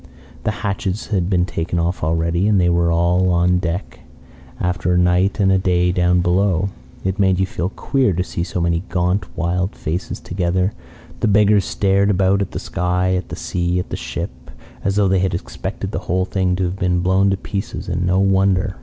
"The hatches had been taken off already, and they were all on deck after a night and a day down below. It made you feel queer to see so many gaunt, wild faces together. The beggars stared about at the sky, at the sea, at the ship, as though they had expected the whole thing to have been blown to pieces. And no wonder!